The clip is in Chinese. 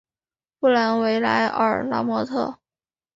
布兰维莱尔拉莫特。